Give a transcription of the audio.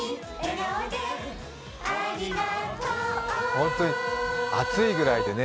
本当に暑いぐらいでね。